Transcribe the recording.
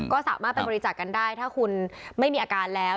ก็สามารถไปบริจาคกันได้ถ้าคุณไม่มีอาการแล้ว